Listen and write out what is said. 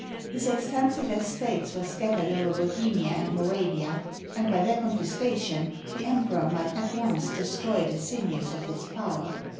His extensive estates were scattered over Bohemia and Moravia; and, by their confiscation, the Emperor might at once destroy the sinews of his power.